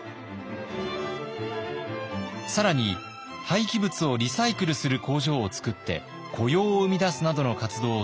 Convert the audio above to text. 更に廃棄物をリサイクルする工場をつくって雇用を生み出すなどの活動を続けています。